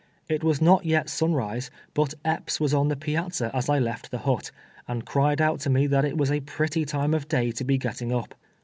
It was not yet sunrise, but Epps was on the piazza as I left the hut, and cried out to me that it was a pretty time of day to be getting up.